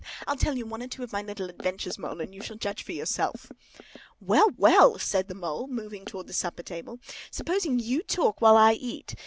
I'll tell you one or two of my little adventures, Mole, and you shall judge for yourself!" "Well, well," said the Mole, moving towards the supper table; "supposing you talk while I eat.